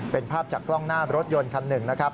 เป็นภาพจากกล้องหน้ารถยนต์คันหนึ่งนะครับ